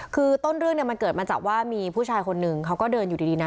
คือต้นเรื่องเนี่ยมันเกิดมาจากว่ามีผู้ชายคนหนึ่งเขาก็เดินอยู่ดีนะ